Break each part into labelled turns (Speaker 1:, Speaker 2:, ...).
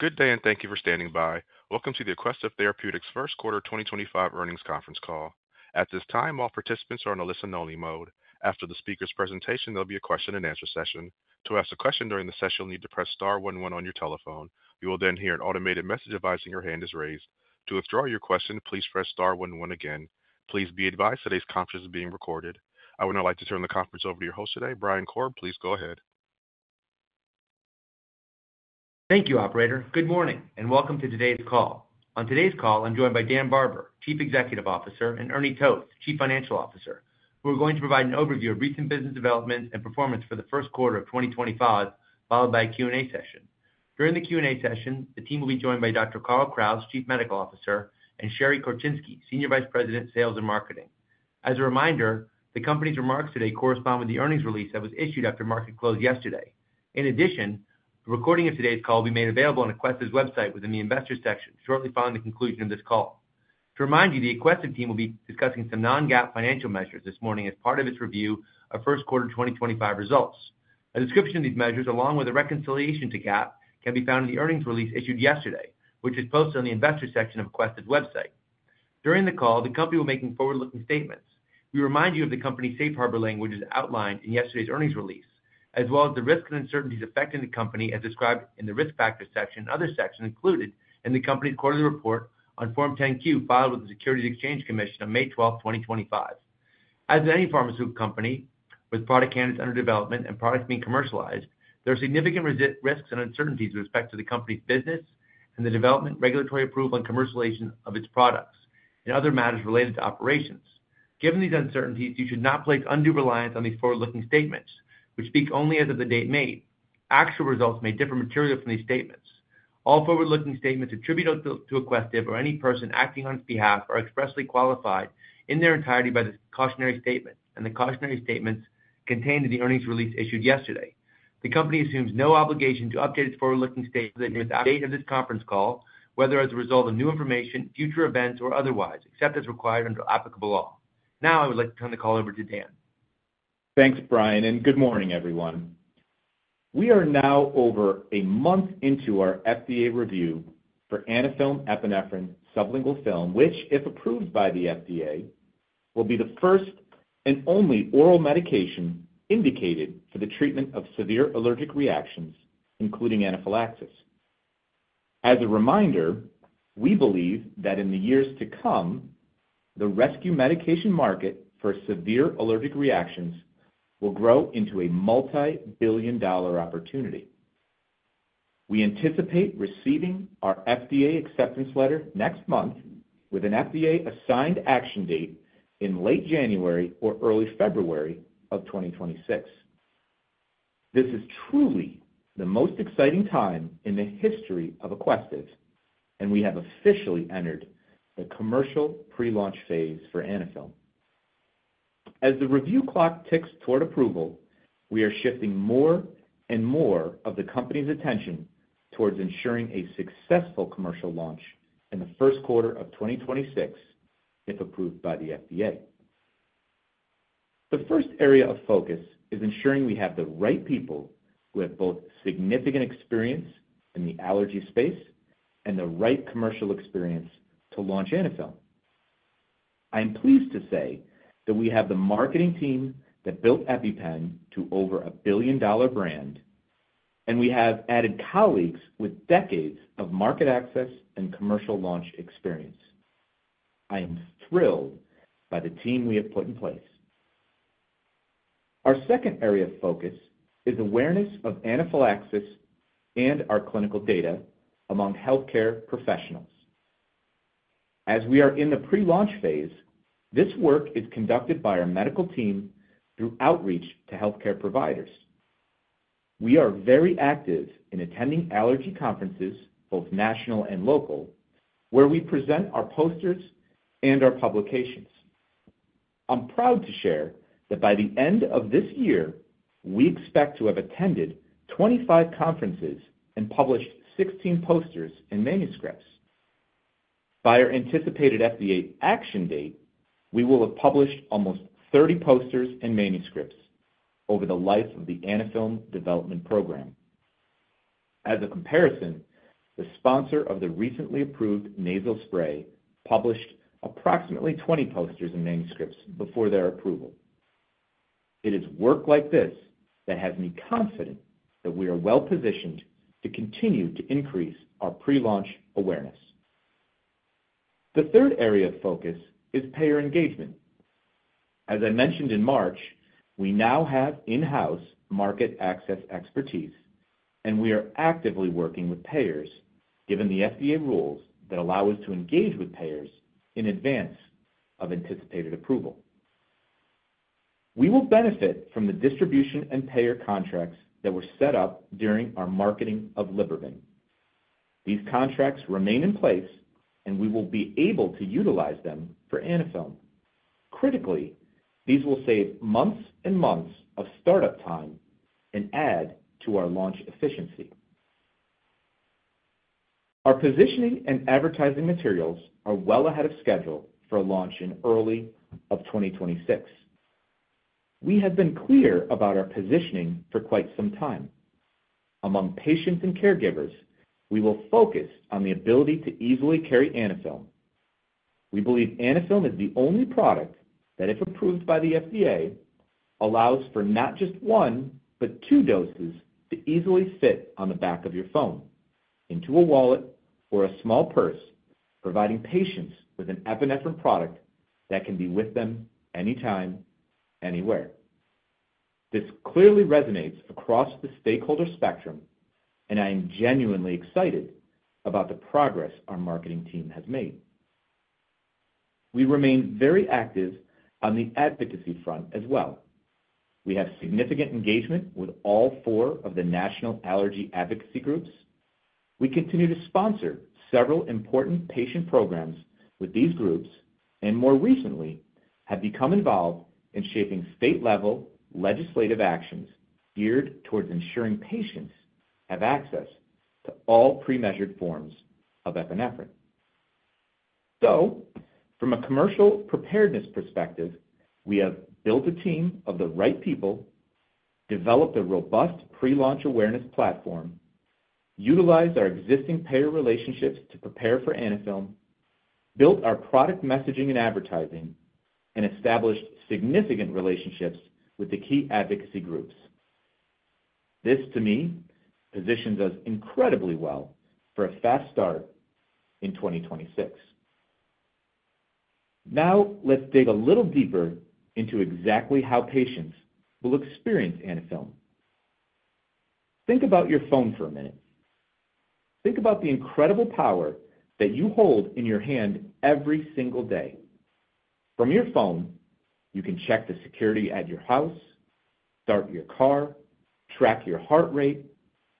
Speaker 1: Good day and thank you for standing by. Welcome to the Aquestive Therapeutics first quarter 2025 earnings conference call. At this time, all participants are in a listen-only mode. After the speaker's presentation, there'll be a question-and-answer session. To ask a question during the session, you'll need to press star 11 on your telephone. You will then hear an automated message advising your hand is raised. To withdraw your question, please press star 11 again. Please be advised today's conference is being recorded. I would now like to turn the conference over to your host today, Brian Korb. Please go ahead.
Speaker 2: Thank you, Operator. Good morning and welcome to today's call. On today's call, I'm joined by Dan Barber, Chief Executive Officer, and Ernie Toth, Chief Financial Officer. We're going to provide an overview of recent business developments and performance for the first quarter of 2025, followed by a Q&A session. During the Q&A session, the team will be joined by Dr. Carl Kraus, Chief Medical Officer, and Sherry Korczynski, Senior Vice President, Sales and Marketing. As a reminder, the company's remarks today correspond with the earnings release that was issued after market close yesterday. In addition, the recording of today's call will be made available on Aquestive's website within the investor section shortly following the conclusion of this call. To remind you, the Aquestive team will be discussing some non-GAAP financial measures this morning as part of its review of first quarter 2025 results. A description of these measures, along with a reconciliation to GAAP, can be found in the earnings release issued yesterday, which is posted on the investor section of Aquestive Therapeutics' website. During the call, the company will be making forward-looking statements. We remind you of the company's safe harbor language as outlined in yesterday's earnings release, as well as the risks and uncertainties affecting the company as described in the risk factors section and other sections included in the company's quarterly report on Form 10Q filed with the U.S. Securities and Exchange Commission on May 12, 2025. As with any pharmaceutical company, with product candidates under development and products being commercialized, there are significant risks and uncertainties with respect to the company's business and the development, regulatory approval, and commercialization of its products and other matters related to operations. Given these uncertainties, you should not place undue reliance on these forward-looking statements, which speak only as of the date made. Actual results may differ materially from these statements. All forward-looking statements attributed to Aquestive or any person acting on its behalf are expressly qualified in their entirety by the cautionary statement and the cautionary statements contained in the earnings release issued yesterday. The company assumes no obligation to update its forward-looking statement with date of this conference call, whether as a result of new information, future events, or otherwise, except as required under applicable law. Now, I would like to turn the call over to Dan.
Speaker 3: Thanks, Brian, and good morning, everyone. We are now over a month into our FDA review for Anaphylm Epinephrine Sublingual Film, which, if approved by the FDA, will be the first and only oral medication indicated for the treatment of severe allergic reactions, including anaphylaxis. As a reminder, we believe that in the years to come, the rescue medication market for severe allergic reactions will grow into a multi-billion dollar opportunity. We anticipate receiving our FDA acceptance letter next month with an FDA assigned action date in late January or early February of 2026. This is truly the most exciting time in the history of Aquestive, and we have officially entered the commercial pre-launch phase for Anaphylm. As the review clock ticks toward approval, we are shifting more and more of the company's attention towards ensuring a successful commercial launch in the first quarter of 2026, if approved by the FDA. The first area of focus is ensuring we have the right people who have both significant experience in the allergy space and the right commercial experience to launch Anaphylm. I am pleased to say that we have the marketing team that built EpiPen to over a billion dollar brand, and we have added colleagues with decades of market access and commercial launch experience. I am thrilled by the team we have put in place. Our second area of focus is awareness of anaphylaxis and our clinical data among healthcare professionals. As we are in the pre-launch phase, this work is conducted by our medical team through outreach to healthcare providers. We are very active in attending allergy conferences, both national and local, where we present our posters and our publications. I'm proud to share that by the end of this year, we expect to have attended 25 conferences and published 16 posters and manuscripts. By our anticipated FDA action date, we will have published almost 30 posters and manuscripts over the life of the Anaphylm development program. As a comparison, the sponsor of the recently approved nasal spray published approximately 20 posters and manuscripts before their approval. It is work like this that has me confident that we are well positioned to continue to increase our pre-launch awareness. The third area of focus is payer engagement. As I mentioned in March, we now have in-house market access expertise, and we are actively working with payers given the FDA rules that allow us to engage with payers in advance of anticipated approval. We will benefit from the distribution and payer contracts that were set up during our marketing of Libervant. These contracts remain in place, and we will be able to utilize them for Anaphylm. Critically, these will save months and months of startup time and add to our launch efficiency. Our positioning and advertising materials are well ahead of schedule for a launch in early 2026. We have been clear about our positioning for quite some time. Among patients and caregivers, we will focus on the ability to easily carry Anaphylm. We believe Anaphylm is the only product that, if approved by the FDA, allows for not just one, but two doses to easily fit on the back of your phone, into a wallet, or a small purse, providing patients with an epinephrine product that can be with them anytime, anywhere. This clearly resonates across the stakeholder spectrum, and I am genuinely excited about the progress our marketing team has made. We remain very active on the advocacy front as well. We have significant engagement with all four of the national allergy advocacy groups. We continue to sponsor several important patient programs with these groups and, more recently, have become involved in shaping state-level legislative actions geared towards ensuring patients have access to all pre-measured forms of epinephrine. From a commercial preparedness perspective, we have built a team of the right people, developed a robust pre-launch awareness platform, utilized our existing payer relationships to prepare for Anaphylm, built our product messaging and advertising, and established significant relationships with the key advocacy groups. This, to me, positions us incredibly well for a fast start in 2026. Now, let's dig a little deeper into exactly how patients will experience Anaphylm. Think about your phone for a minute. Think about the incredible power that you hold in your hand every single day. From your phone, you can check the security at your house, start your car, track your heart rate,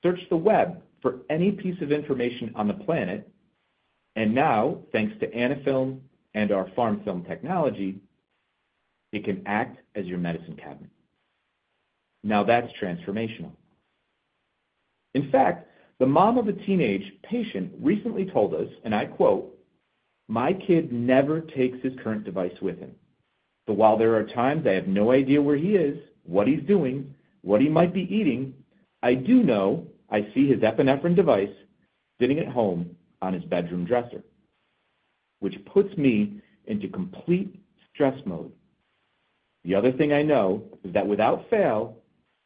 Speaker 3: search the web for any piece of information on the planet, and now, thanks to Anaphylm and our PharmFilm technology, it can act as your medicine cabinet. Now, that's transformational. In fact, the mom of a teenage patient recently told us, and I quote, "My kid never takes his current device with him. While there are times I have no idea where he is, what he's doing, what he might be eating, I do know I see his epinephrine device sitting at home on his bedroom dresser, which puts me into complete stress mode. The other thing I know is that without fail,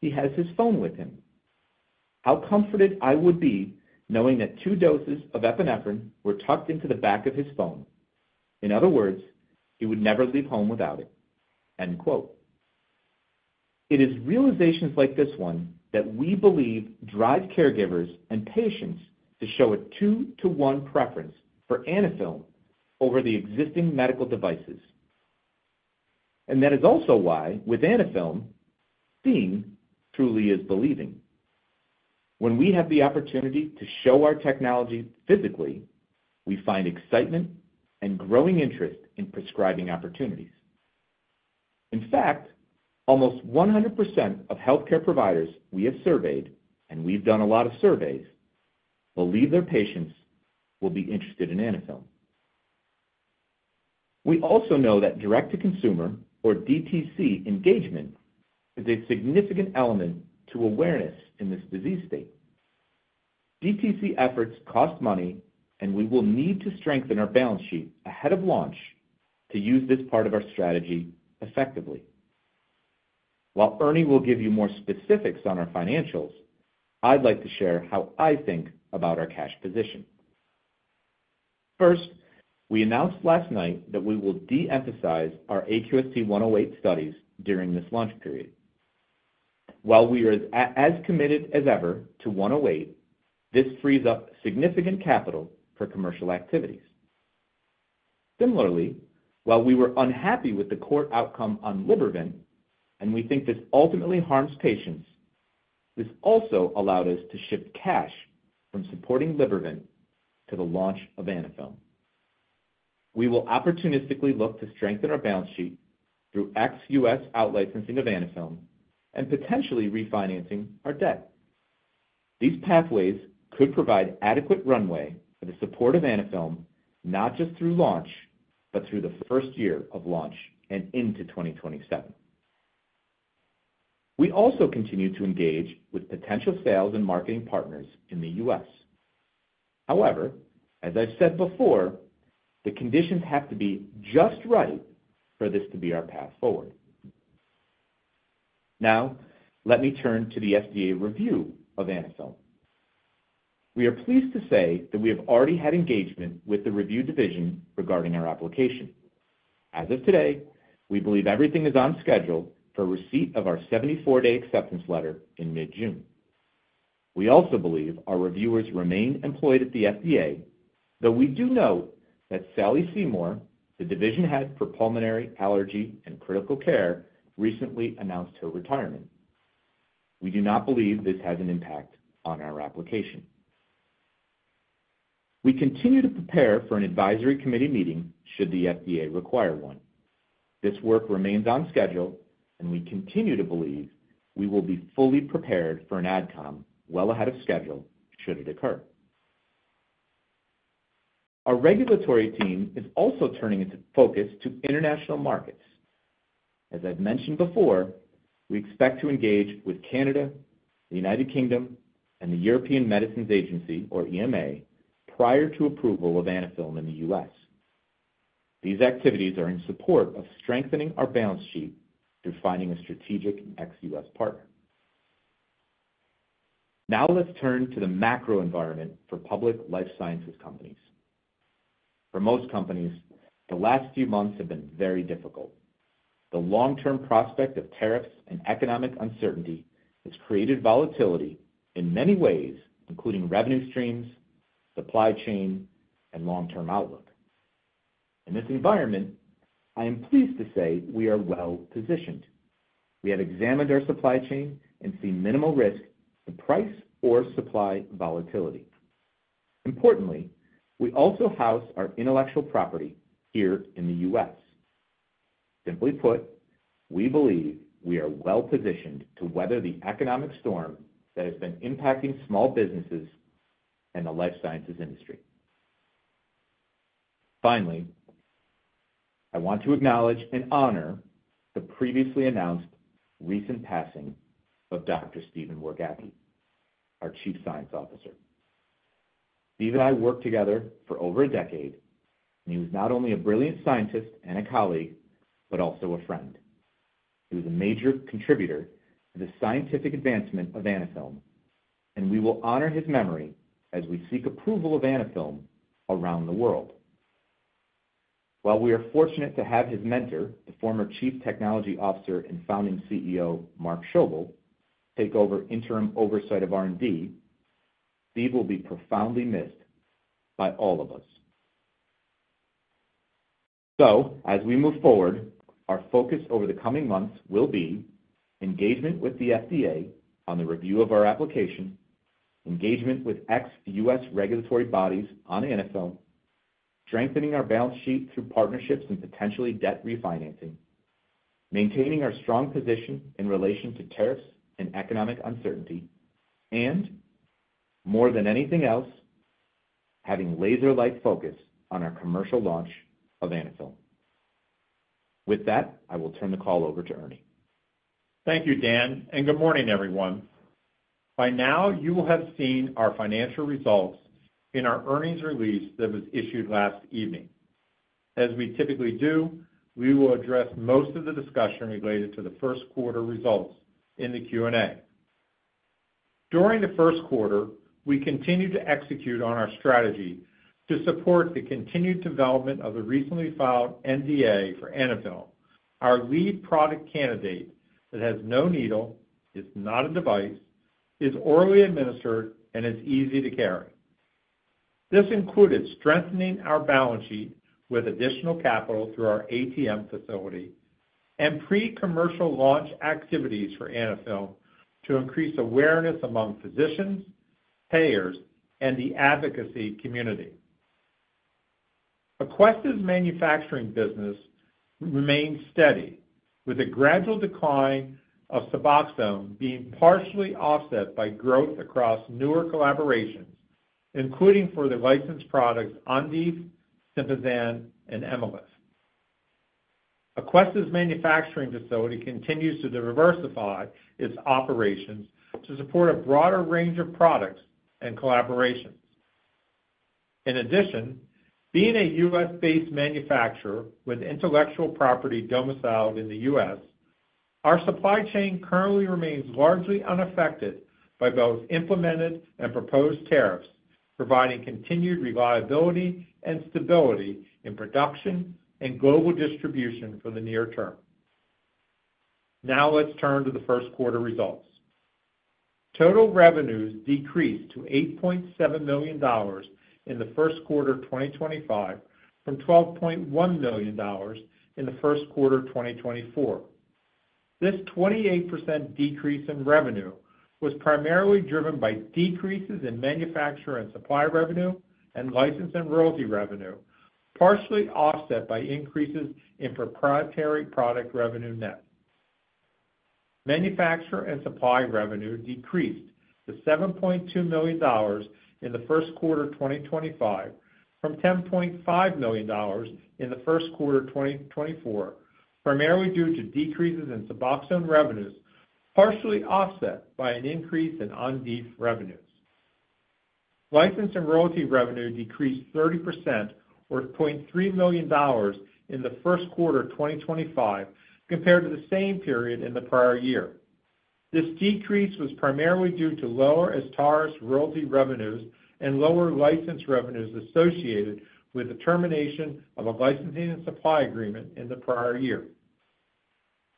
Speaker 3: he has his phone with him. How comforted I would be knowing that two doses of epinephrine were tucked into the back of his phone. In other words, he would never leave home without it. It is realizations like this one that we believe drive caregivers and patients to show a two-to-one preference for Anaphylm over the existing medical devices. That is also why, with Anaphylm, seeing truly is believing. When we have the opportunity to show our technology physically, we find excitement and growing interest in prescribing opportunities. In fact, almost 100% of healthcare providers we have surveyed, and we've done a lot of surveys, believe their patients will be interested in Anaphylm. We also know that direct-to-consumer, or DTC, engagement is a significant element to awareness in this disease state. DTC efforts cost money, and we will need to strengthen our balance sheet ahead of launch to use this part of our strategy effectively. While Ernie will give you more specifics on our financials, I'd like to share how I think about our cash position. First, we announced last night that we will de-emphasize our AQST 108 studies during this launch period. While we are as committed as ever to 108, this frees up significant capital for commercial activities. Similarly, while we were unhappy with the court outcome on Libervant, and we think this ultimately harms patients, this also allowed us to shift cash from supporting Libervant to the launch of Anaphylm. We will opportunistically look to strengthen our balance sheet through ex-US outlicensing of Anaphylm and potentially refinancing our debt. These pathways could provide adequate runway for the support of Anaphylm, not just through launch, but through the first year of launch and into 2027. We also continue to engage with potential sales and marketing partners in the U.S. However, as I've said before, the conditions have to be just right for this to be our path forward. Now, let me turn to the FDA review of Anaphylm. We are pleased to say that we have already had engagement with the review division regarding our application. As of today, we believe everything is on schedule for receipt of our 74-day acceptance letter in mid-June. We also believe our reviewers remain employed at the FDA, though we do know that Sally Seymour, the division head for pulmonary allergy and critical care, recently announced her retirement. We do not believe this has an impact on our application. We continue to prepare for an advisory committee meeting should the FDA require one. This work remains on schedule, and we continue to believe we will be fully prepared for an Adcom well ahead of schedule should it occur. Our regulatory team is also turning its focus to international markets. As I've mentioned before, we expect to engage with Canada, the United Kingdom, and the European Medicines Agency, or EMA, prior to approval of Anaphylm in the U.S. These activities are in support of strengthening our balance sheet through finding a strategic ex-US partner. Now, let's turn to the macro environment for public life sciences companies. For most companies, the last few months have been very difficult. The long-term prospect of tariffs and economic uncertainty has created volatility in many ways, including revenue streams, supply chain, and long-term outlook. In this environment, I am pleased to say we are well positioned. We have examined our supply chain and see minimal risk to price or supply volatility. Importantly, we also house our intellectual property here in the U.S. Simply put, we believe we are well positioned to weather the economic storm that has been impacting small businesses and the life sciences industry. Finally, I want to acknowledge and honor the previously announced recent passing of Dr. Stephen Wargacki, our Chief Science Officer. Steve and I worked together for over a decade, and he was not only a brilliant scientist and a colleague, but also a friend. He was a major contributor to the scientific advancement of Anaphylm, and we will honor his memory as we seek approval of Anaphylm around the world. While we are fortunate to have his mentor, the former Chief Technology Officer and founding CEO, Mark Schobel, take over interim oversight of R&D, Steve will be profoundly missed by all of us. As we move forward, our focus over the coming months will be engagement with the FDA on the review of our application, engagement with ex US regulatory bodies on Anaphylm, strengthening our balance sheet through partnerships and potentially debt refinancing, maintaining our strong position in relation to tariffs and economic uncertainty, and, more than anything else, having laser-like focus on our commercial launch of Anaphylm. With that, I will turn the call over to Ernie.
Speaker 4: Thank you, Dan, and good morning, everyone. By now, you will have seen our financial results in our earnings release that was issued last evening. As we typically do, we will address most of the discussion related to the first quarter results in the Q&A. During the first quarter, we continue to execute on our strategy to support the continued development of the recently filed NDA for Anaphylm, our lead product candidate that has no needle, is not a device, is orally administered, and is easy to carry. This included strengthening our balance sheet with additional capital through our ATM facility and pre-commercial launch activities for Anaphylm to increase awareness among physicians, payers, and the advocacy community. Aquestive's manufacturing business remains steady, with a gradual decline of Suboxone being partially offset by growth across newer collaborations, including for the licensed products Ondiv, Sympazan, and Emylif. Aquestive's manufacturing facility continues to diversify its operations to support a broader range of products and collaborations. In addition, being a U.S.-based manufacturer with intellectual property domiciled in the U.S., our supply chain currently remains largely unaffected by both implemented and proposed tariffs, providing continued reliability and stability in production and global distribution for the near term. Now, let's turn to the first quarter results. Total revenues decreased to $8.7 million in the first quarter of 2025 from $12.1 million in the first quarter of 2024. This 28% decrease in revenue was primarily driven by decreases in manufacturer and supplier revenue and license and royalty revenue, partially offset by increases in proprietary product revenue net. Manufacturer and supply revenue decreased to $7.2 million in the first quarter of 2025 from $10.5 million in the first quarter of 2024, primarily due to decreases in Suboxone revenues, partially offset by an increase in Ondiv revenues. License and royalty revenue decreased 30%, worth $0.3 million in the first quarter of 2025, compared to the same period in the prior year. This decrease was primarily due to lower ESTARS royalty revenues and lower license revenues associated with the termination of a licensing and supply agreement in the prior year.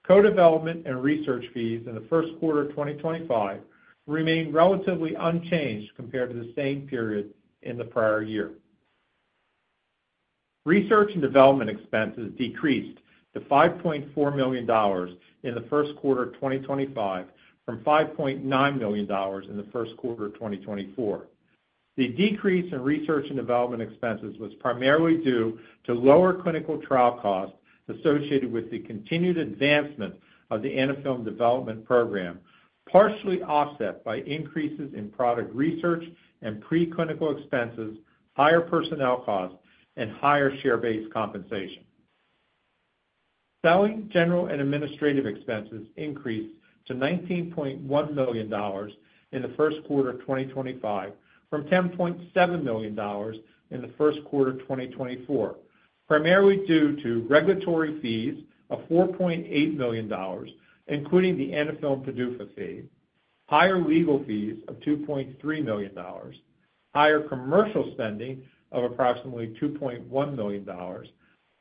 Speaker 4: Co-development and research fees in the first quarter of 2025 remained relatively unchanged compared to the same period in the prior year. Research and development expenses decreased to $5.4 million in the first quarter of 2025 from $5.9 million in the first quarter of 2024. The decrease in research and development expenses was primarily due to lower clinical trial costs associated with the continued advancement of the Anaphylm development program, partially offset by increases in product research and preclinical expenses, higher personnel costs, and higher share-based compensation. Selling, general, and administrative expenses increased to $19.1 million in the first quarter of 2025 from $10.7 million in the first quarter of 2024, primarily due to regulatory fees of $4.8 million, including the Anaphylm PDUFA fee, higher legal fees of $2.3 million, higher commercial spending of approximately $2.1 million,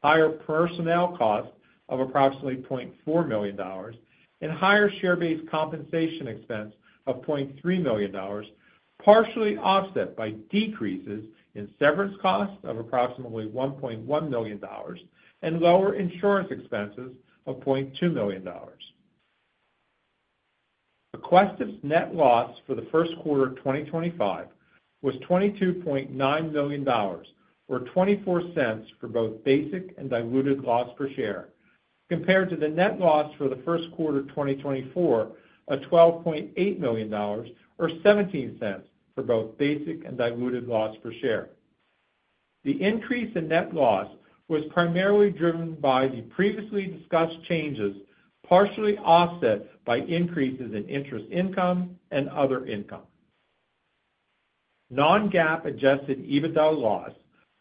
Speaker 4: higher personnel costs of approximately $0.4 million, and higher share-based compensation expense of $0.3 million, partially offset by decreases in severance costs of approximately $1.1 million and lower insurance expenses of $0.2 million. Aquestive's net loss for the first quarter of 2025 was $22.9 million, or $0.24 for both basic and diluted loss per share, compared to the net loss for the first quarter of 2024 of $12.8 million, or $0.17 for both basic and diluted loss per share. The increase in net loss was primarily driven by the previously discussed changes, partially offset by increases in interest income and other income. Non-GAAP adjusted EBITDA loss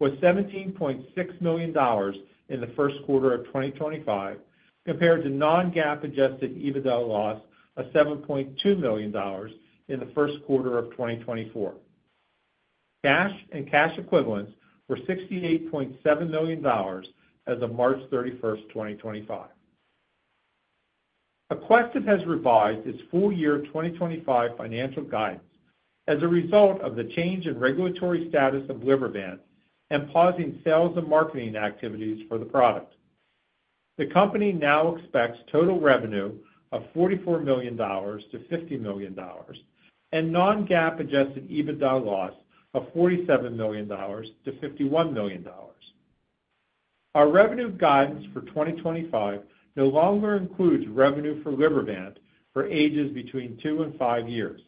Speaker 4: was $17.6 million in the first quarter of 2025, compared to non-GAAP adjusted EBITDA loss of $7.2 million in the first quarter of 2024. Cash and cash equivalents were $68.7 million as of March 31, 2025. Aquestive has revised its full year 2025 financial guidance as a result of the change in regulatory status of Libervant and pausing sales and marketing activities for the product. The company now expects total revenue of $44 million-$50 million and non-GAAP adjusted EBITDA loss of $47 million-$51 million. Our revenue guidance for 2025 no longer includes revenue for Libervant for ages between two and five years.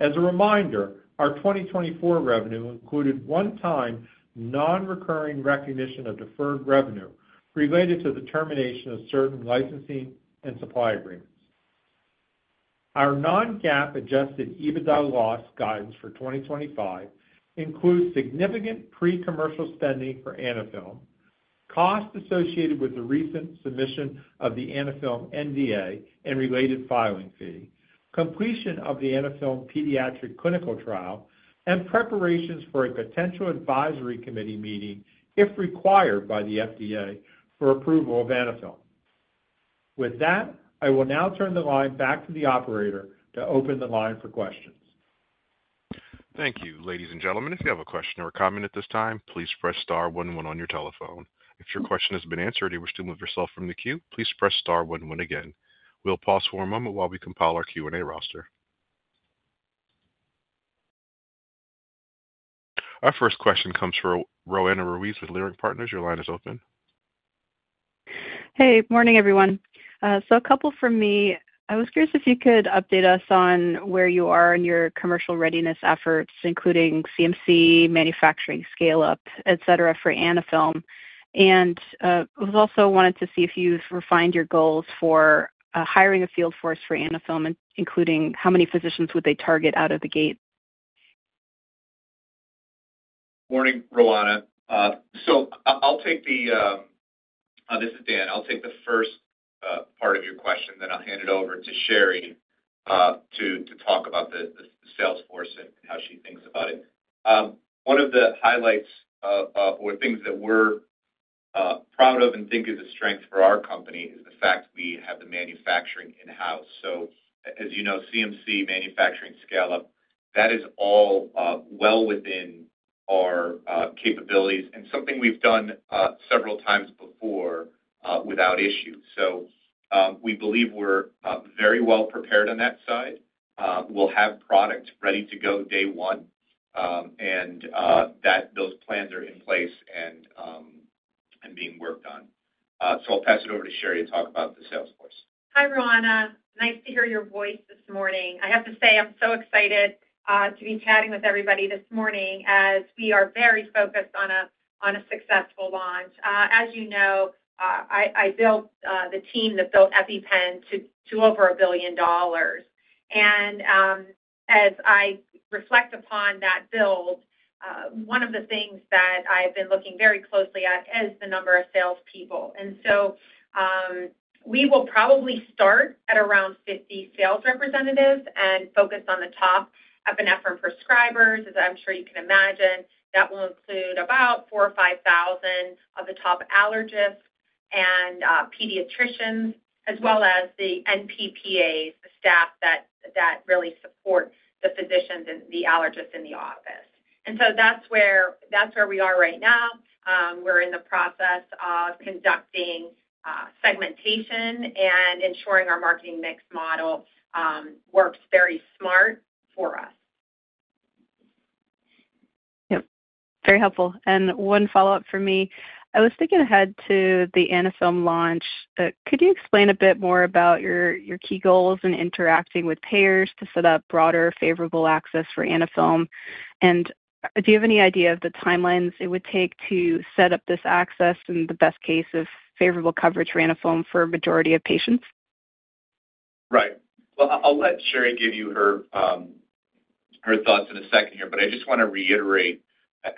Speaker 4: As a reminder, our 2024 revenue included one-time non-recurring recognition of deferred revenue related to the termination of certain licensing and supply agreements. Our non-GAAP adjusted EBITDA loss guidance for 2025 includes significant pre-commercial spending for Anaphylm, costs associated with the recent submission of the Anaphylm NDA and related filing fee, completion of the Anaphylm pediatric clinical trial, and preparations for a potential advisory committee meeting, if required by the FDA, for approval of Anaphylm. With that, I will now turn the line back to the operator to open the line for questions.
Speaker 1: Thank you, ladies and gentlemen. If you have a question or a comment at this time, please press star 11 on your telephone. If your question has been answered and you wish to move yourself from the queue, please press star 11 again. We'll pause for a moment while we compile our Q&A roster. Our first question comes from Roanna Ruiz with Leerink Partners. Your line is open.
Speaker 5: Hey, morning, everyone. A couple from me. I was curious if you could update us on where you are in your commercial readiness efforts, including CMC, manufacturing scale-up, et cetera, for Anaphylm. I also wanted to see if you've refined your goals for hiring a field force for Anaphylm, including how many physicians would they target out of the gate?
Speaker 3: Morning, Roanna. I'll take the—this is Dan. I'll take the first part of your question, then I'll hand it over to Sherry to talk about the sales force and how she thinks about it. One of the highlights or things that we're proud of and think is a strength for our company is the fact we have the manufacturing in-house. As you know, CMC, manufacturing scale-up, that is all well within our capabilities and something we've done several times before without issue. We believe we're very well prepared on that side. We'll have product ready to go day one, and those plans are in place and being worked on. I'll pass it over to Sherry to talk about the sales force.
Speaker 6: Hi, Roanna. Nice to hear your voice this morning. I have to say I'm so excited to be chatting with everybody this morning as we are very focused on a successful launch. As you know, I built the team that built EpiPen to over a billion dollars. As I reflect upon that build, one of the things that I've been looking very closely at is the number of salespeople. We will probably start at around 50 sales representatives and focus on the top epinephrine prescribers, as I'm sure you can imagine. That will include about 4,000 or 5,000 of the top allergists and pediatricians, as well as the NPPAs, the staff that really support the physicians and the allergists in the office. That's where we are right now. We're in the process of conducting segmentation and ensuring our marketing mix model works very smart for us.
Speaker 5: Yep. Very helpful. One follow-up from me. I was thinking ahead to the Anaphylm launch. Could you explain a bit more about your key goals in interacting with payers to set up broader favorable access for Anaphylm? Do you have any idea of the timelines it would take to set up this access and the best case of favorable coverage for Anaphylm for a majority of patients?
Speaker 3: Right. I'll let Sherry give you her thoughts in a second here, but I just want to reiterate,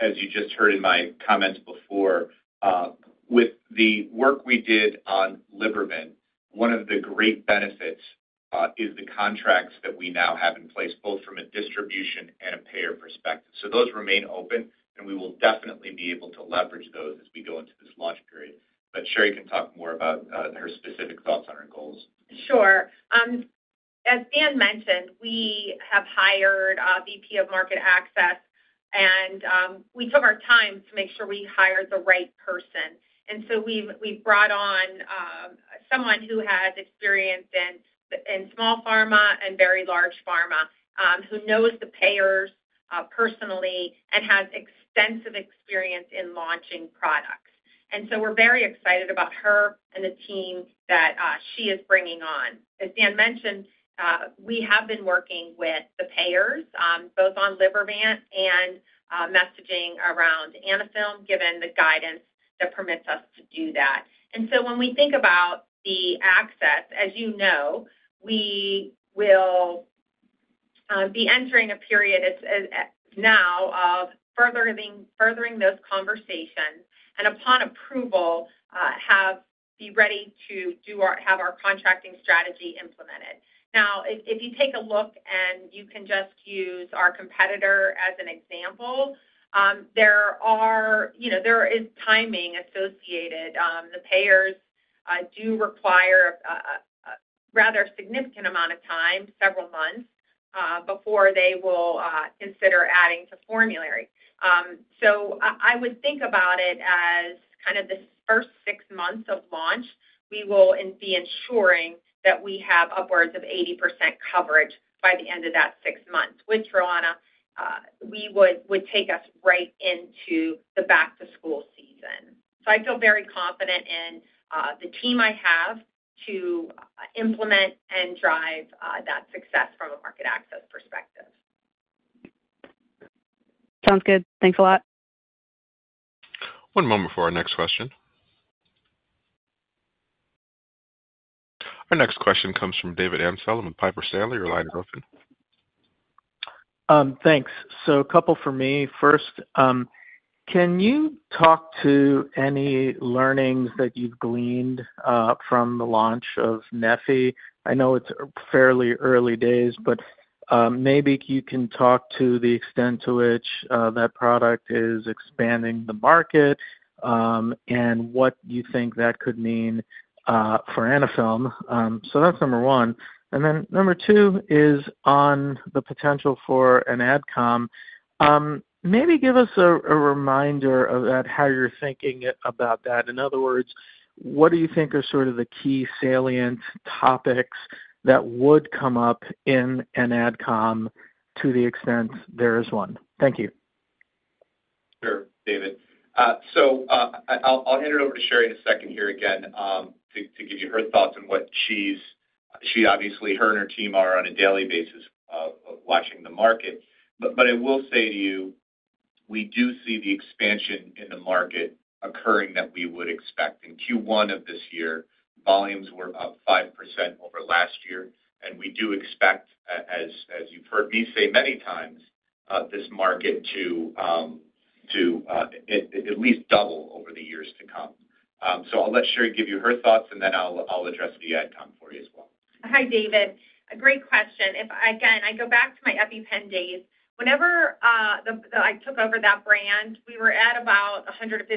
Speaker 3: as you just heard in my comments before, with the work we did on Libervant, one of the great benefits is the contracts that we now have in place, both from a distribution and a payer perspective. Those remain open, and we will definitely be able to leverage those as we go into this launch period. Sherry can talk more about her specific thoughts on her goals.
Speaker 6: Sure. As Dan mentioned, we have hired a VP of market access, and we took our time to make sure we hired the right person. We have brought on someone who has experience in small pharma and very large pharma, who knows the payers personally and has extensive experience in launching products. We're very excited about her and the team that she is bringing on. As Dan mentioned, we have been working with the payers, both on Libervant and messaging around Anaphylm, given the guidance that permits us to do that. When we think about the access, as you know, we will be entering a period now of furthering those conversations and, upon approval, be ready to have our contracting strategy implemented. If you take a look and you can just use our competitor as an example, there is timing associated. The payers do require a rather significant amount of time, several months, before they will consider adding to formulary. I would think about it as kind of the first six months of launch, we will be ensuring that we have upwards of 80% coverage by the end of that six months, which, Roanna, would take us right into the back-to-school season. I feel very confident in the team I have to implement and drive that success from a market access perspective.
Speaker 5: Sounds good. Thanks a lot.
Speaker 1: One moment for our next question. Our next question comes from David Amsellem with Piper Sandler or Lionel Griffin.
Speaker 7: Thanks. A couple for me. First, can you talk to any learnings that you've gleaned from the launch of neffy? I know it's fairly early days, but maybe you can talk to the extent to which that product is expanding the market and what you think that could mean for Anaphylm. That's number one. Number two is on the potential for an Adcom. Maybe give us a reminder of how you're thinking about that. In other words, what do you think are sort of the key salient topics that would come up in an Adcom to the extent there is one? Thank you.
Speaker 3: Sure, David. I'll hand it over to Sherry in a second here again to give you her thoughts on what she's—she, obviously, her and her team are on a daily basis watching the market. I will say to you, we do see the expansion in the market occurring that we would expect. In Q1 of this year, volumes were up 5% over last year. We do expect, as you've heard me say many times, this market to at least double over the years to come. I'll let Sherry give you her thoughts, and then I'll address the Adcom for you as well.
Speaker 6: Hi, David. A great question. Again, I go back to my EpiPen days. Whenever I took over that brand, we were at about $150-$200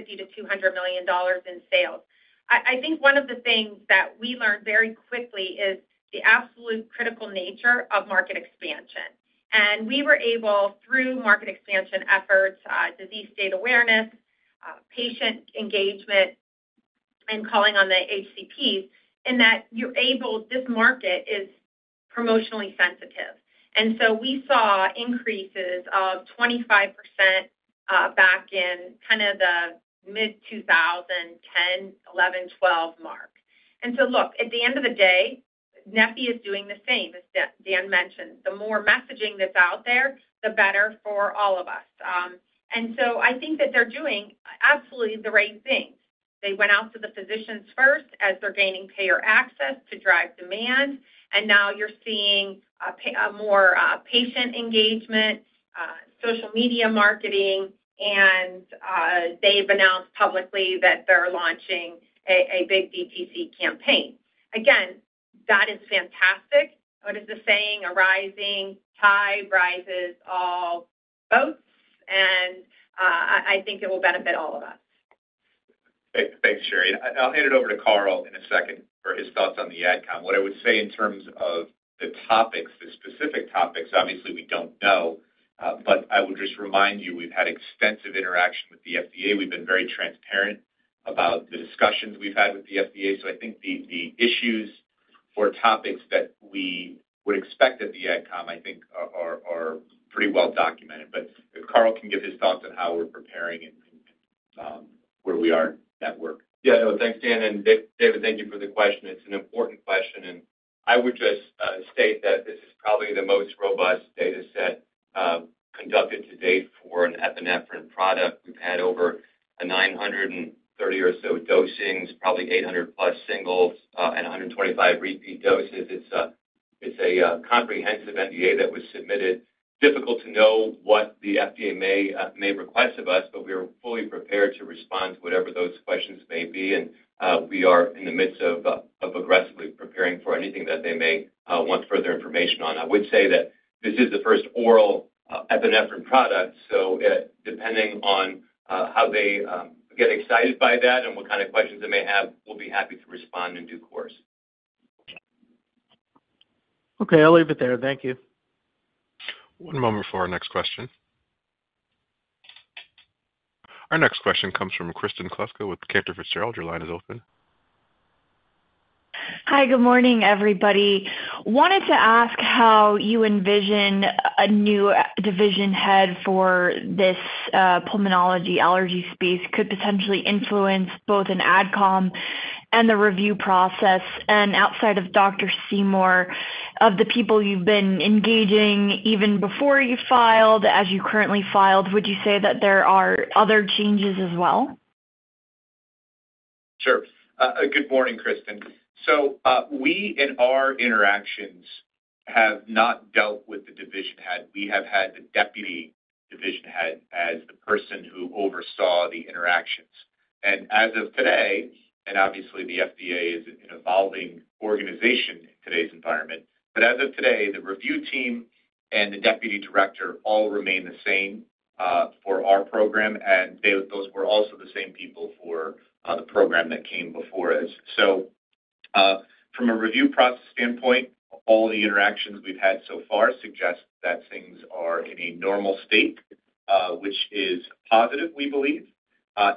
Speaker 6: million in sales. I think one of the things that we learned very quickly is the absolute critical nature of market expansion. We were able, through market expansion efforts, disease state awareness, patient engagement, and calling on the HCPs, in that this market is promotionally sensitive. We saw increases of 25% back in kind of the mid-2010, 2011, 2012 mark. At the end of the day, neffy is doing the same, as Dan mentioned. The more messaging that's out there, the better for all of us. I think that they're doing absolutely the right thing. They went out to the physicians first as they're gaining payer access to drive demand. Now you're seeing more patient engagement, social media marketing, and they've announced publicly that they're launching a big DTC campaign. Again, that is fantastic. What is the saying? "A rising tide raises all boats." I think it will benefit all of us.
Speaker 3: Thanks, Sherry. I'll hand it over to Carl in a second for his thoughts on the Adcom. What I would say in terms of the topics, the specific topics, obviously, we don't know. I will just remind you, we've had extensive interaction with the FDA. We've been very transparent about the discussions we've had with the FDA. I think the issues or topics that we would expect at the adcom, I think, are pretty well documented. Carl can give his thoughts on how we're preparing and where we are in that work.
Speaker 8: Yeah. No, thanks, Dan. And David, thank you for the question. It's an important question. I would just state that this is probably the most robust data set conducted to date for an epinephrine product. We've had over 930 or so dosings, probably 800-plus singles and 125 repeat doses. It's a comprehensive NDA that was submitted. Difficult to know what the FDA may request of us, but we are fully prepared to respond to whatever those questions may be. We are in the midst of aggressively preparing for anything that they may want further information on. I would say that this is the first oral epinephrine product. Depending on how they get excited by that and what kind of questions they may have, we'll be happy to respond in due course.
Speaker 7: Okay. I'll leave it there. Thank you.
Speaker 1: One moment for our next question. Our next question comes from Kristen Kluska with Cantor Fitzgerald. Your line is open.
Speaker 9: Hi, good morning, everybody. Wanted to ask how you envision a new division head for this pulmonology allergy space could potentially influence both an Adcom and the review process. Outside of Dr. Seymour, of the People you've been engaging even before you filed, as you currently filed, would you say that there are other changes as well?
Speaker 3: Sure. Good morning, Kristen. In our interactions, we have not dealt with the division head. We have had the deputy division head as the person who oversaw the interactions. As of today, and obviously, the FDA is an evolving organization in today's environment, but as of today, the review team and the Deputy Director all remain the same for our program. Those were also the same people for the program that came before us. From a review process standpoint, all the interactions we've had so far suggest that things are in a normal state, which is positive, we believe.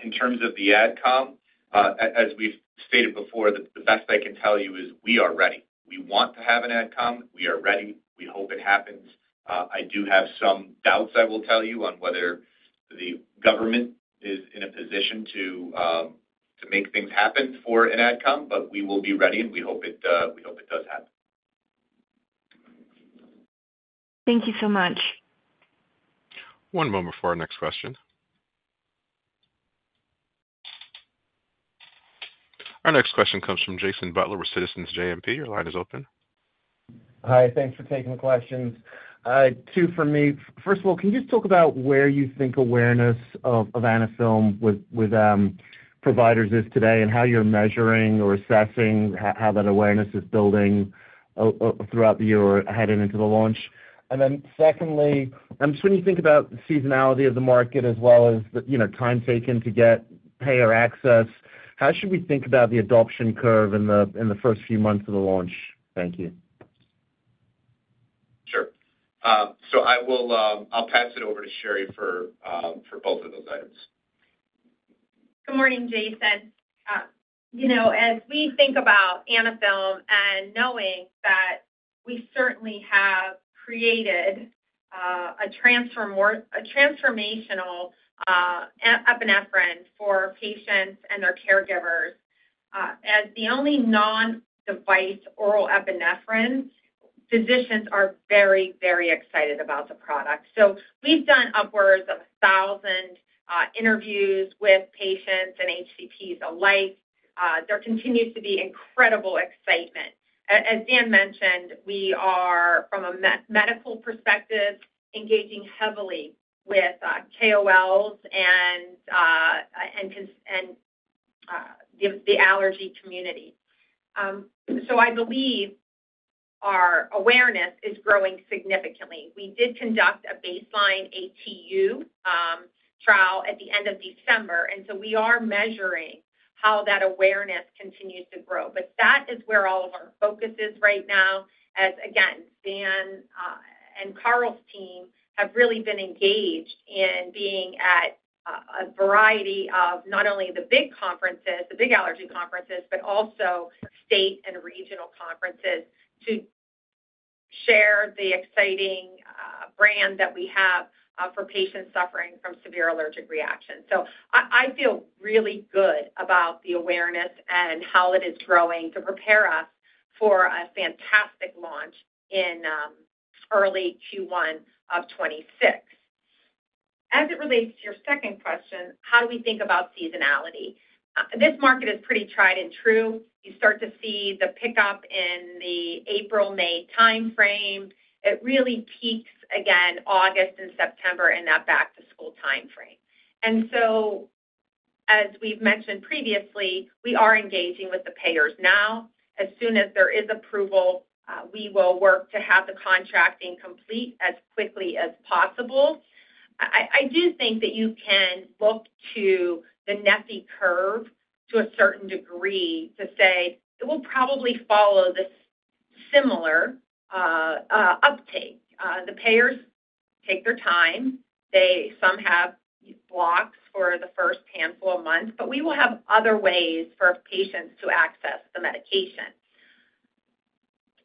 Speaker 3: In terms of the Adcom, as we've stated before, the best I can tell you is we are ready. We want to have an Adcom. We are ready. We hope it happens. I do have some doubts, I will tell you, on whether the government is in a position to make things happen for an Adcom, but we will be ready, and we hope it does happen.
Speaker 9: Thank you so much.
Speaker 1: One moment for our next question. Our next question comes from Jason Butler with Citizens JMP. Your line is open.
Speaker 10: Hi. Thanks for taking the questions. Two for me. First of all, can you just talk about where you think awareness of Anaphylm with providers is today and how you're measuring or assessing how that awareness is building throughout the year or heading into the launch? And then secondly, just when you think about the seasonality of the market as well as the time taken to get payer access, how should we think about the adoption curve in the first few months of the launch? Thank you.
Speaker 3: Sure. I'll pass it over to Sherry for both of those items.
Speaker 6: Good morning, Jason. As we think about Anaphylm and knowing that we certainly have created a transformational epinephrine for patients and their caregivers, as the only non-device oral epinephrine, physicians are very, very excited about the product. We've done upwards of 1,000 interviews with patients and HCPs alike. There continues to be incredible excitement. As Dan mentioned, we are, from a medical perspective, engaging heavily with KOLs and the allergy community. I believe our awareness is growing significantly. We did conduct a baseline ATU trial at the end of December. We are measuring how that awareness continues to grow. That is where all of our focus is right now, as, again, Dan and Carl's team have really been engaged in being at a variety of not only the big conferences, the big allergy conferences, but also state and regional conferences to share the exciting brand that we have for patients suffering from severe allergic reactions. I feel really good about the awareness and how it is growing to prepare us for a fantastic launch in early Q1 of 2026. As it relates to your second question, how do we think about seasonality? This market is pretty tried and true. You start to see the pickup in the April, May timeframe. It really peaks, again, August and September in that back-to-school timeframe. As we have mentioned previously, we are engaging with the payers now. As soon as there is approval, we will work to have the contracting complete as quickly as possible. I do think that you can look to the neffy curve to a certain degree to say it will probably follow this similar uptake. The payers take their time. Some have blocks for the first handful of months, but we will have other ways for patients to access the medication.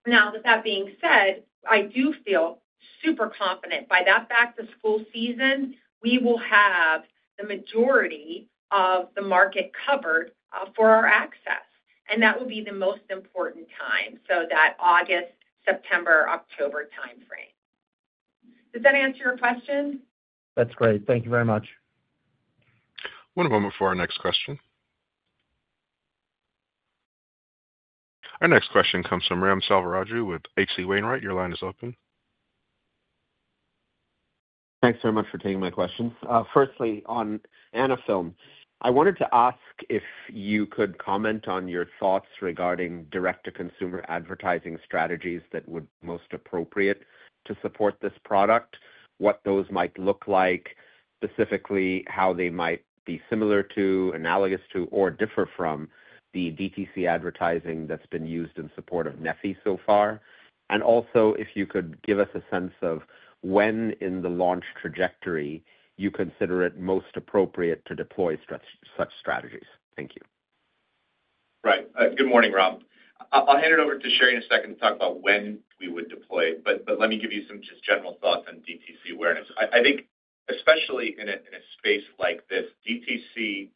Speaker 6: Now, with that being said, I do feel super confident by that back-to-school season, we will have the majority of the market covered for our access. That will be the most important time, that August, September, October timeframe. Does that answer your question?
Speaker 10: That's great. Thank you very much.
Speaker 1: One moment for our next question. Our next question comes from Ram Selvaraju with H.C. Wainwright. Your line is open.
Speaker 11: Thanks very much for taking my question. Firstly, on Anaphylm, I wanted to ask if you could comment on your thoughts regarding direct-to-consumer advertising strategies that would be most appropriate to support this product, what those might look like, specifically how they might be similar to, analogous to, or differ from the DTC advertising that's been used in support of neffy so far. Also, if you could give us a sense of when in the launch trajectory you consider it most appropriate to deploy such strategies. Thank you.
Speaker 3: Right. Good morning, Ram. I'll hand it over to Sherry in a second to talk about when we would deploy. Let me give you some just general thoughts on DTC awareness. I think, especially in a space like this, DTC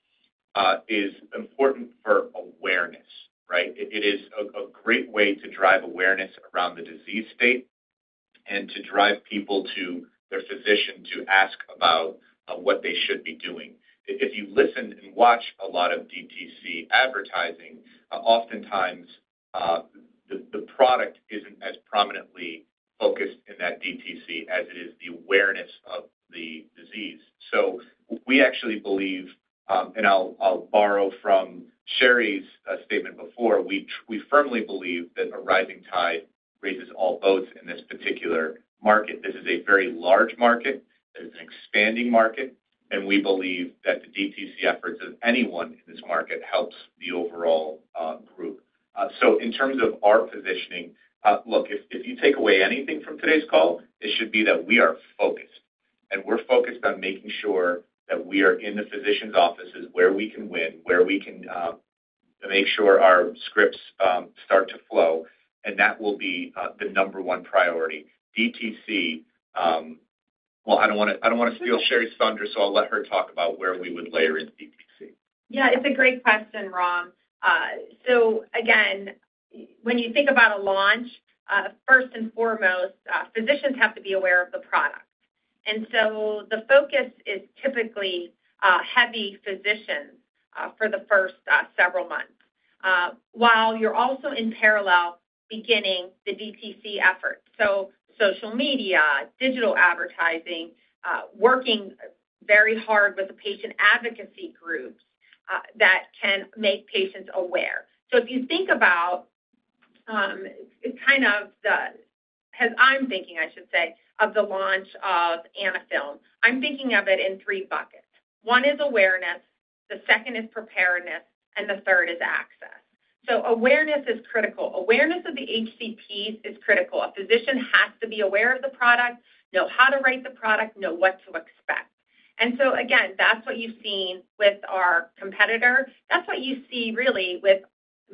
Speaker 3: is important for awareness, right? It is a great way to drive awareness around the disease state and to drive people to their physician to ask about what they should be doing. If you listen and watch a lot of DTC advertising, oftentimes the product isn't as prominently focused in that DTC as it is the awareness of the disease. We actually believe, and I'll borrow from Sherry's statement before, we firmly believe that a rising tide raises all boats in this particular market. This is a very large market. It is an expanding market. We believe that the DTC efforts of anyone in this market helps the overall group. In terms of our positioning, look, if you take away anything from today's call, it should be that we are focused. We're focused on making sure that we are in the physician's offices where we can win, where we can make sure our scripts start to flow. That will be the number one priority. DTC, I do not want to steal Sherry's thunder, so I'll let her talk about where we would layer in DTC.
Speaker 6: Yeah. It's a great question, Ram. Again, when you think about a launch, first and foremost, physicians have to be aware of the product. The focus is typically heavy physicians for the first several months, while you're also in parallel beginning the DTC effort. Social media, digital advertising, working very hard with the patient advocacy groups that can make patients aware. If you think about kind of the, as I'm thinking, I should say, of the launch of Anaphylm, I'm thinking of it in three buckets. One is awareness. The second is preparedness. The third is access. Awareness is critical. Awareness of the HCPs is critical. A physician has to be aware of the product, know how to write the product, know what to expect. That is what you've seen with our competitor. That is what you see really with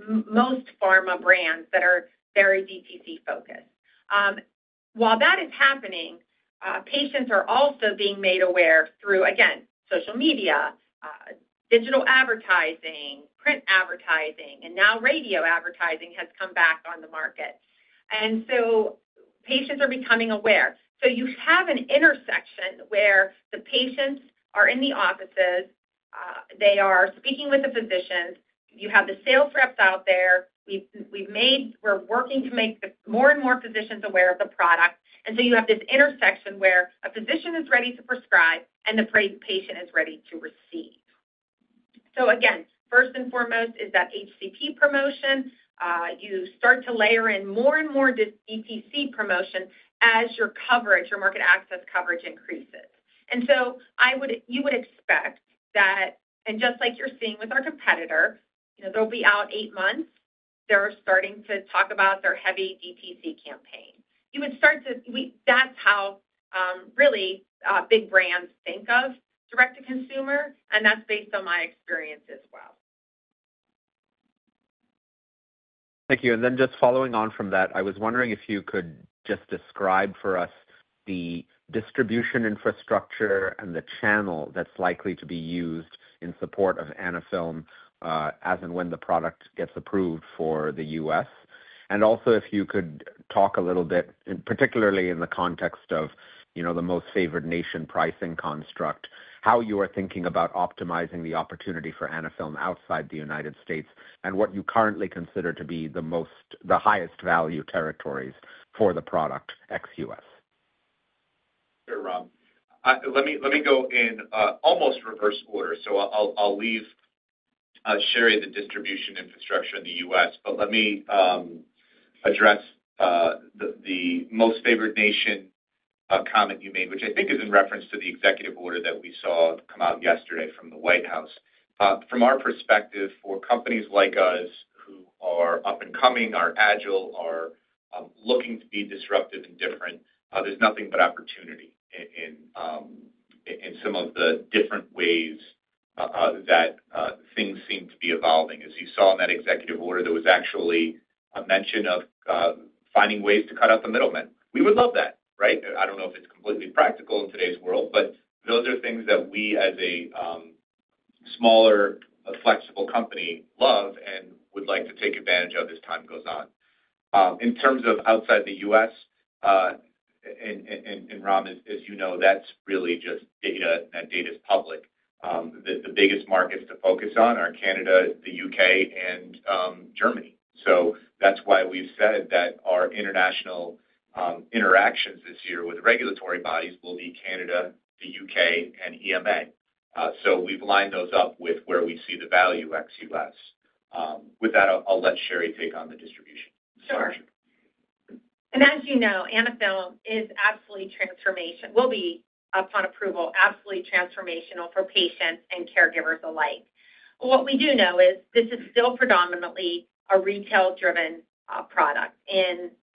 Speaker 6: most pharma brands that are very DTC-focused. While that is happening, patients are also being made aware through, again, social media, digital advertising, print advertising, and now radio advertising has come back on the market. Patients are becoming aware. You have an intersection where the patients are in the offices. They are speaking with the physicians. You have the sales reps out there. We're working to make more and more physicians aware of the product. You have this intersection where a physician is ready to prescribe and the patient is ready to receive. First and foremost is that HCP promotion. You start to layer in more and more DTC promotion as your market access coverage increases. You would expect that, just like you're seeing with our competitor, they'll be out eight months. They're starting to talk about their heavy DTC campaign. That's how really big brands think of direct-to-consumer. That's based on my experience as well.
Speaker 11: Thank you. Just following on from that, I was wondering if you could just describe for us the distribution infrastructure and the channel that's likely to be used in support of Anaphylm as and when the product gets approved for the U.S. If you could talk a little bit, particularly in the context of the most favored nation pricing construct, how you are thinking about optimizing the opportunity for Anaphylm outside the United States and what you currently consider to be the highest value territories for the product ex-US.
Speaker 3: Sure, Ram. Let me go in almost reverse order. I will leave Sherry the distribution infrastructure in the United States, but let me address the most favored nation comment you made, which I think is in reference to the executive order that we saw come out yesterday from the White House. From our perspective, for companies like us who are up and coming, are agile, are looking to be disruptive and different, there is nothing but opportunity in some of the different ways that things seem to be evolving. As you saw in that executive order, there was actually a mention of finding ways to cut out the middleman. We would love that, right? I don't know if it's completely practical in today's world, but those are things that we as a smaller, flexible company love and would like to take advantage of as time goes on. In terms of outside the U.S., and Ram, as you know, that's really just data, and that data is public. The biggest markets to focus on are Canada, the U.K., and Germany. That's why we've said that our international interactions this year with regulatory bodies will be Canada, the U.K., and EMA. We've lined those up with where we see the value ex US. With that, I'll let Sherry take on the distribution structure.
Speaker 6: Sure. As you know, Anaphylm will be, upon approval, absolutely transformational for patients and caregivers alike. What we do know is this is still predominantly a retail-driven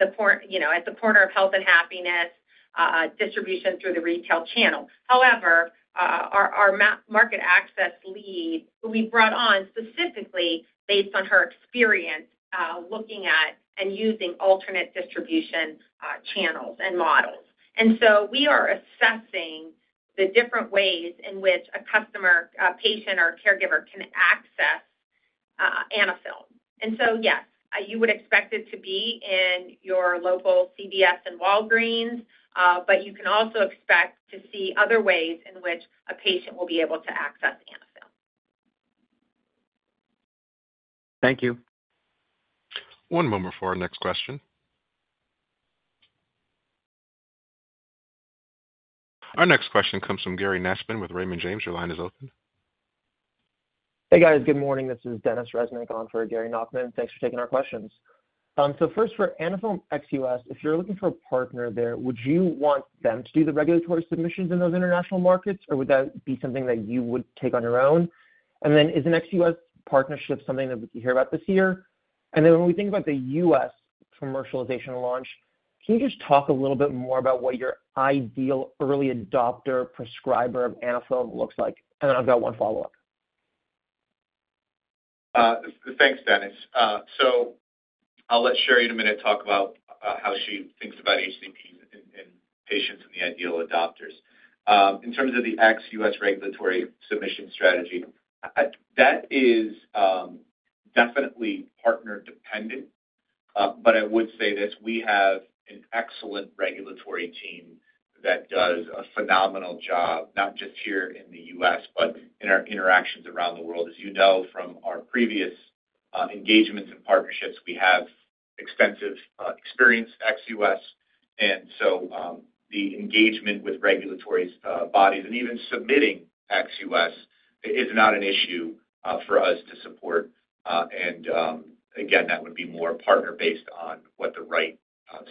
Speaker 6: product at the corner of health and happiness, distribution through the retail channel. However, our market access lead, we brought on specifically based on her experience looking at and using alternate distribution channels and models. We are assessing the different ways in which a customer, patient, or caregiver can access Anaphylm. Yes, you would expect it to be in your local CVS and Walgreens, but you can also expect to see other ways in which a patient will be able to access Anaphylm.
Speaker 11: Thank you.
Speaker 1: One moment for our next question. Our next question comes from Gary Nachman with Raymond James. Your line is open.
Speaker 12: Hey, guys. Good morning. This is Dennis Reznik on for Gary Nachman. Thanks for taking our questions. First, for Anaphylm ex US, if you're looking for a partner there, would you want them to do the regulatory submissions in those international markets, or would that be something that you would take on your own? Is an ex US partnership something that we could hear about this year? When we think about the U.S. commercialization launch, can you just talk a little bit more about what your ideal early adopter prescriber of Anaphylm looks like? I've got one follow-up.
Speaker 3: Thanks, Dennis. I'll let Sherry in a minute talk about how she thinks about HCPs and patients and the ideal adopters. In terms of the ex US regulatory submission strategy, that is definitely partner-dependent. I would say this. We have an excellent regulatory team that does a phenomenal job, not just here in the U.S., but in our interactions around the world. As you know from our previous engagements and partnerships, we have extensive experience ex US. And the engagement with regulatory bodies and even submitting ex US is not an issue for us to support. That would be more partner-based on what the right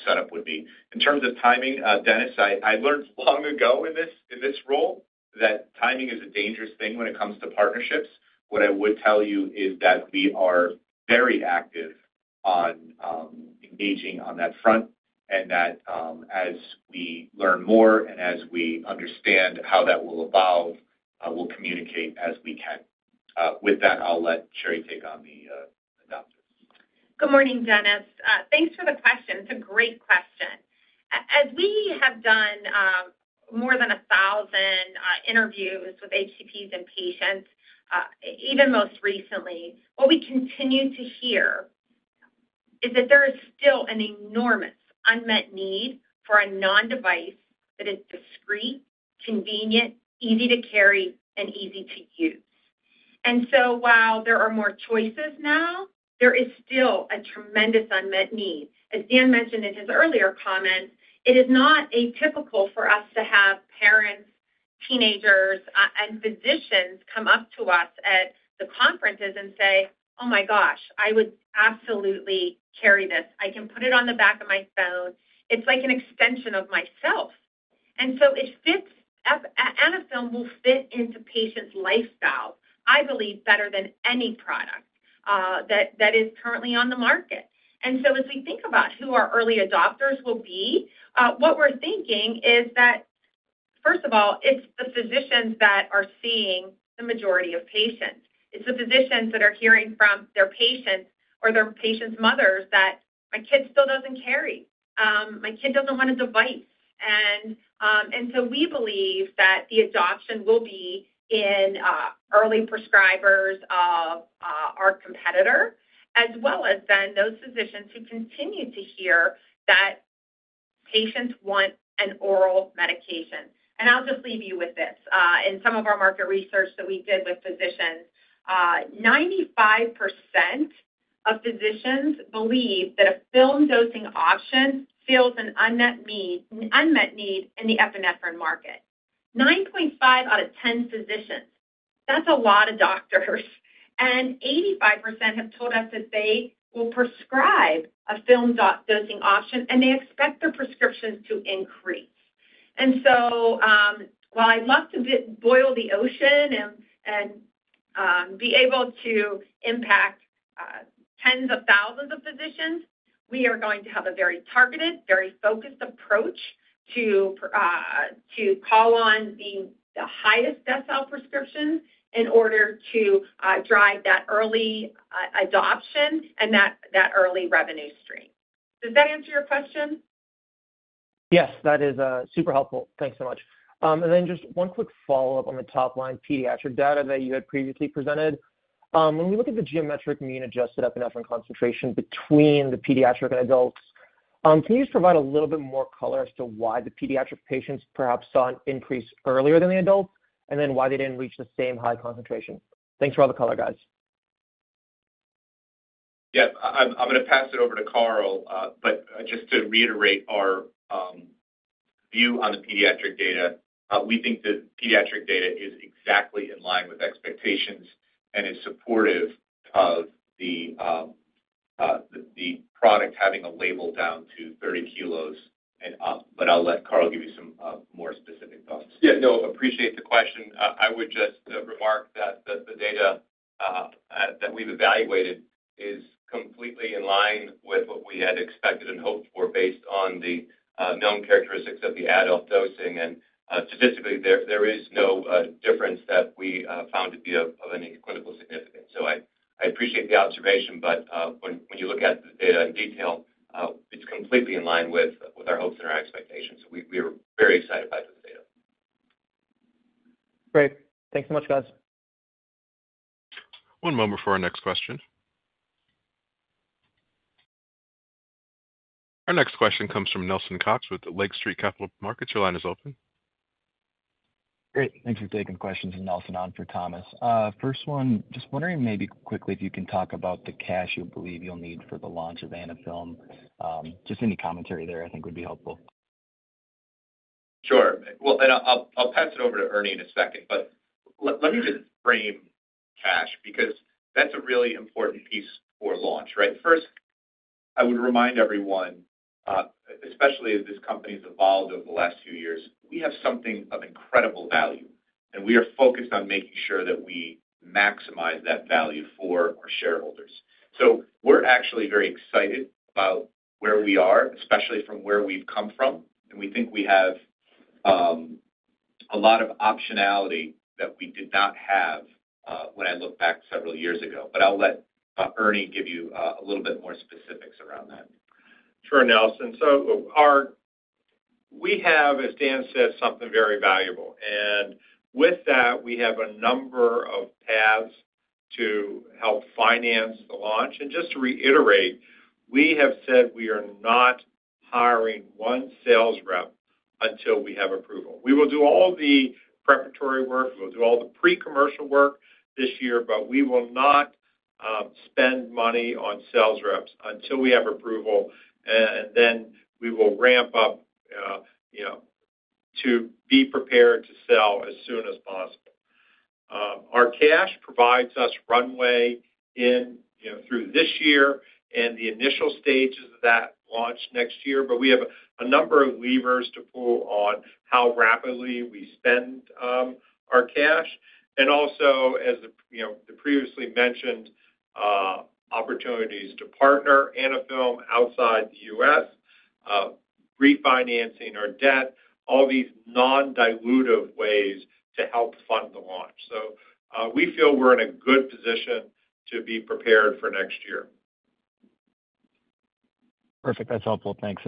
Speaker 3: setup would be. In terms of timing, Dennis, I learned long ago in this role that timing is a dangerous thing when it comes to partnerships. What I would tell you is that we are very active on engaging on that front. As we learn more and as we understand how that will evolve, we'll communicate as we can. With that, I'll let Sherry take on the adopters.
Speaker 6: Good morning, Dennis. Thanks for the question. It's a great question. As we have done more than 1,000 interviews with HCPs and patients, even most recently, what we continue to hear is that there is still an enormous unmet need for a non-device that is discreet, convenient, easy to carry, and easy to use. While there are more choices now, there is still a tremendous unmet need. As Dan mentioned in his earlier comments, it is not atypical for us to have parents, teenagers, and physicians come up to us at the conferences and say, "Oh my gosh, I would absolutely carry this. I can put it on the back of my phone. It's like an extension of myself." Anaphylm will fit into patients' lifestyles, I believe, better than any product that is currently on the market. As we think about who our early adopters will be, what we are thinking is that, first of all, it is the physicians that are seeing the majority of patients. It is the physicians that are hearing from their patients or their patients' mothers that, "My kid still does not carry. My kid does not want a device." We believe that the adoption will be in early prescribers of our competitor, as well as those physicians who continue to hear that patients want an oral medication. I will just leave you with this. In some of our market research that we did with physicians, 95% of physicians believe that a film dosing option fills an unmet need in the epinephrine market. 9.5 out of 10 physicians. That is a lot of doctors. 85% have told us that they will prescribe a film dosing option, and they expect their prescriptions to increase. While I'd love to boil the ocean and be able to impact tens of thousands of physicians, we are going to have a very targeted, very focused approach to call on the highest decile prescriptions in order to drive that early adoption and that early revenue stream. Does that answer your question?
Speaker 12: Yes. That is super helpful. Thanks so much. One quick follow-up on the top-line pediatric data that you had previously presented. When we look at the geometric mean adjusted epinephrine concentration between the pediatric and adults, can you just provide a little bit more color as to why the pediatric patients perhaps saw an increase earlier than the adults, and then why they did not reach the same high concentration? Thanks for all the color, guys.
Speaker 3: Yes. I'm going to pass it over to Carl, but just to reiterate our view on the pediatric data, we think the pediatric data is exactly in line with expectations and is supportive of the product having a label down to 30 kilos and up. I'll let Carl give you some more specific thoughts.
Speaker 8: Yeah. No, appreciate the question. I would just remark that the data that we've evaluated is completely in line with what we had expected and hoped for based on the known characteristics of the adult dosing. Statistically, there is no difference that we found to be of any clinical significance. I appreciate the observation. When you look at the data in detail, it's completely in line with our hopes and our expectations. We are very excited by the data.
Speaker 12: Great. Thanks so much, guys.
Speaker 1: One moment for our next question. Our next question comes from Nelson Cox with Lake Street Capital Markets. Your line is open.
Speaker 13: Great. Thanks for taking questions, and Nelson on for Thomas. First one, just wondering maybe quickly if you can talk about the cash you believe you'll need for the launch of Anaphylm. Just any commentary there I think would be helpful.
Speaker 3: Sure. I will pass it over to Ernie in a second. Let me just frame cash because that's a really important piece for launch, right? First, I would remind everyone, especially as this company has evolved over the last few years, we have something of incredible value. We are focused on making sure that we maximize that value for our shareholders. We are actually very excited about where we are, especially from where we've come from. We think we have a lot of optionality that we did not have when I looked back several years ago. I'll let Ernie give you a little bit more specifics around that.
Speaker 4: Sure, Nelson. We have, as Dan said, something very valuable. With that, we have a number of paths to help finance the launch. Just to reiterate, we have said we are not hiring one sales rep until we have approval. We will do all the preparatory work. We'll do all the pre-commercial work this year, but we will not spend money on sales reps until we have approval. We will ramp up to be prepared to sell as soon as possible. Our cash provides us runway through this year and the initial stages of that launch next year. We have a number of levers to pull on how rapidly we spend our cash. Also, as previously mentioned, opportunities to partner Anaphylm outside the U.S., refinancing our debt, all these non-dilutive ways to help fund the launch. We feel we're in a good position to be prepared for next year.
Speaker 13: Perfect. That's helpful. Thanks.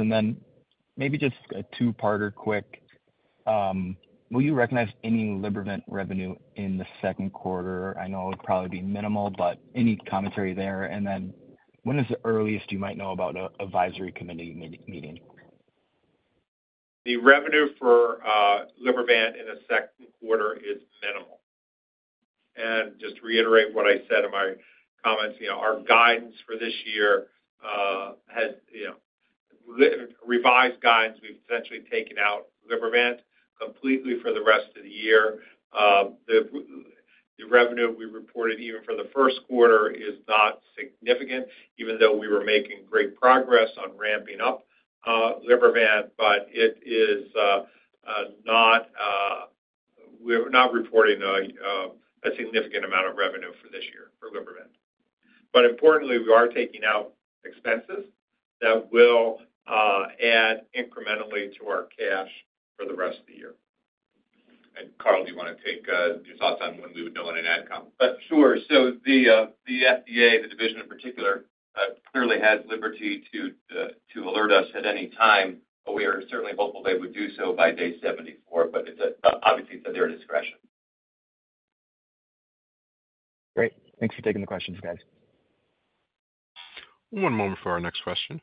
Speaker 13: Maybe just a two-parter quick. Will you recognize any Libervant revenue in the second quarter? I know it would probably be minimal, but any commentary there? When is the earliest you might know about an advisory committee meeting?
Speaker 4: The revenue for Libervant in the second quarter is minimal. Just to reiterate what I said in my comments, our guidance for this year has revised guidance. We've essentially taken out Libervant completely for the rest of the year. The revenue we reported even for the first quarter is not significant, even though we were making great progress on ramping up Libervant. It is not, we're not reporting a significant amount of revenue for this year for Libervant. Importantly, we are taking out expenses that will add incrementally to our cash for the rest of the year.
Speaker 3: Carl, do you want to take your thoughts on when we would know when an Adcom comes?
Speaker 8: Sure. The FDA, the division in particular, clearly has liberty to alert us at any time. We are certainly hopeful they would do so by day 74. Obviously, it's at their discretion.
Speaker 13: Great. Thanks for taking the questions, guys.
Speaker 1: One moment for our next question.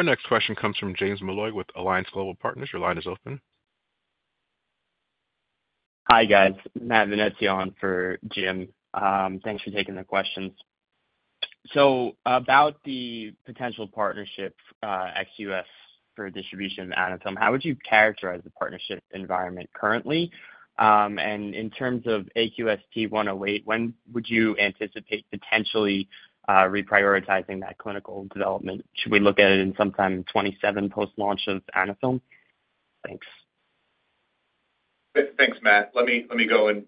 Speaker 1: Our next question comes from James Malloy with Alliance Global Partners. Your line is open.
Speaker 14: Hi, guys. Matt Venezia on for Jim. Thanks for taking the questions. About the potential partnership ex US for distribution of Anaphylm, how would you characterize the partnership environment currently? In terms of AQST 108, when would you anticipate potentially reprioritizing that clinical development? Should we look at it sometime in 2027 post-launch of Anaphylm? Thanks.
Speaker 3: Thanks, Matt. Let me go in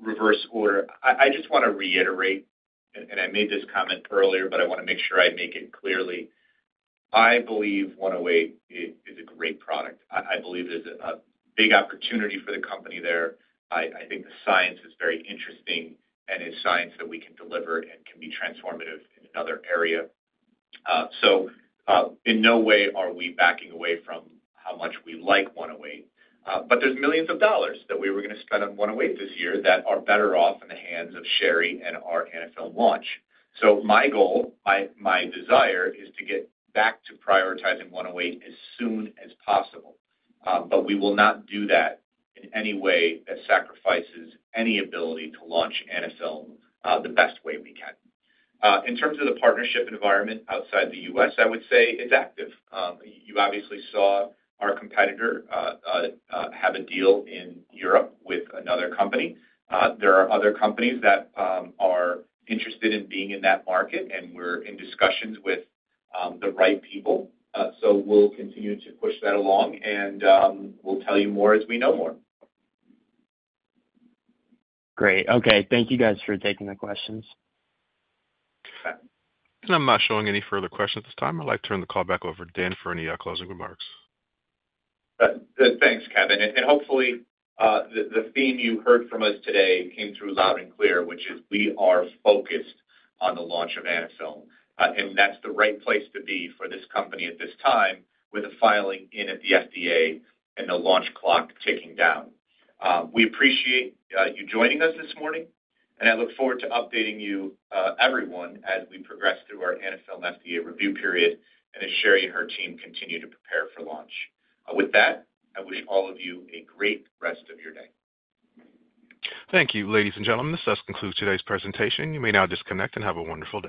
Speaker 3: reverse order. I just want to reiterate, and I made this comment earlier, but I want to make sure I make it clearly. I believe 108 is a great product. I believe there is a big opportunity for the company there. I think the science is very interesting and is science that we can deliver and can be transformative in another area. In no way are we backing away from how much we like 108. There are millions of dollars that we were going to spend on 108 this year that are better off in the hands of Sherry and our Anaphylm launch. My goal, my desire, is to get back to prioritizing 108 as soon as possible. We will not do that in any way that sacrifices any ability to launch Anaphylm the best way we can. In terms of the partnership environment outside the U.S., I would say it's active. You obviously saw our competitor have a deal in Europe with another company. There are other companies that are interested in being in that market, and we're in discussions with the right people. We'll continue to push that along, and we'll tell you more as we know more.
Speaker 14: Great. Okay. Thank you, guys, for taking the questions.
Speaker 1: I'm not showing any further questions at this time. I'd like to turn the call back over to Dan for any closing remarks.
Speaker 3: Thanks, Kevin. Hopefully, the theme you heard from us today came through loud and clear, which is we are focused on the launch of Anaphylm. That's the right place to be for this company at this time with the filing in at the FDA and the launch clock ticking down. We appreciate you joining us this morning, and I look forward to updating you, everyone, as we progress through our Anaphylm FDA review period and as Sherry and her team continue to prepare for launch. With that, I wish all of you a great rest of your day.
Speaker 1: Thank you, ladies and gentlemen. This does conclude today's presentation. You may now disconnect and have a wonderful day.